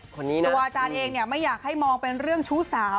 ตัวอาจารย์เองเนี่ยไม่อยากให้มองเป็นเรื่องชู้สาว